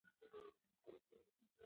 هغه زما د زړه هر نري رګ ته متوجه ده.